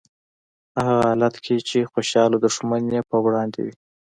په هغه حالت کې چې خوشحاله دښمن یې په وړاندې وي.